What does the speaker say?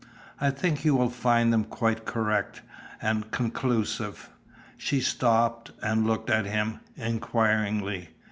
I think you will find them quite correct, and conclusive." She stopped, and looked at him inquiringly.